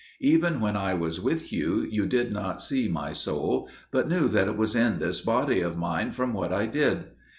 Even when I was with you, you did not see my soul, but knew that it was in this body of mine from what I did.